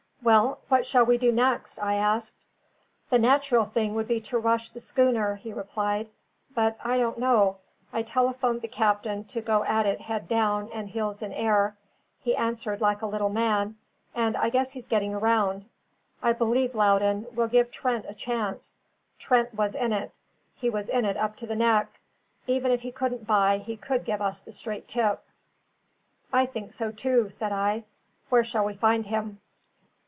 "Well, what shall we do next?" I asked. "The natural thing would be to rush the schooner," he replied. "But I don't know. I telephoned the captain to go at it head down and heels in air; he answered like a little man; and I guess he's getting around. I believe, Loudon, we'll give Trent a chance. Trent was in it; he was in it up to the neck; even if he couldn't buy, he could give us the straight tip." "I think so, too," said I. "Where shall we find him?"